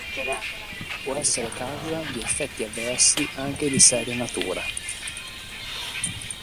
Può essere causa di effetti avversi anche di seria natura.